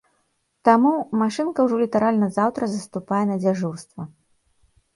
Таму, машынка ўжо літаральна заўтра заступае на дзяжурства.